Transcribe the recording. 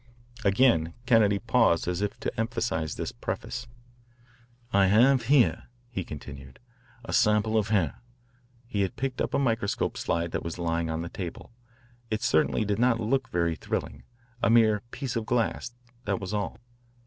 Again Kennedy paused as if to emphasise this preface. "I have here," he continued, "a sample of hair." He had picked up a microscope slide that was lying on the table. It certainly did not look very thrilling a mere piece of glass, that was all.